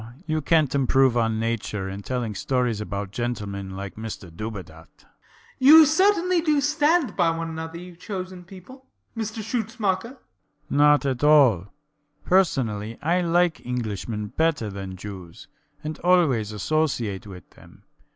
You cant improve on Nature in telling stories about gentlemen like Mr Dubedat. BLENKINSOP. You certainly do stand by one another, you chosen people, Mr Schutzmacher. SCHUTZMACHER. Not at all. Personally, I like Englishmen better than Jews, and always associate with them.